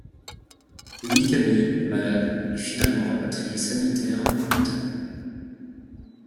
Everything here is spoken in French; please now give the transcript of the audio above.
Louis Camille, malade, est finalement rapatrié sanitaire un an plus tard.